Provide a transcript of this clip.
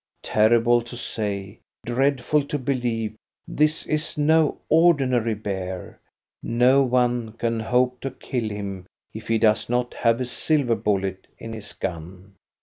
Terrible to say, dreadful to believe, this is no ordinary bear. No one can hope to kill him if he does not have a silver bullet in his gun.